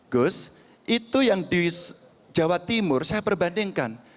gus itu yang di jawa timur saya perbandingkan